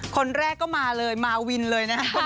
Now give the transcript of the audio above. คนแรกก็มาเลยมาวินเลยนะฮะ